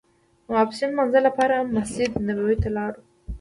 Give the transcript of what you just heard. د ماسپښین لمانځه لپاره مسجد نبوي ته لاړو.